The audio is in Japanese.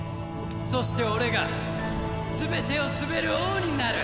そして俺が全てを統べる王になる！